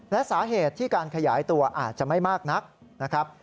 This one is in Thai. และสาเหตุที่การขยายตัวอาจจะไม่มากนักนะครับ